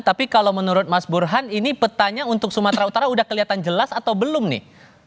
tapi kalau menurut mas burhan ini petanya untuk sumatera utara sudah kelihatan jelas atau belum nih